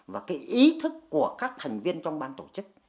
và cái ý thức của các thành viên trong ban tổ chức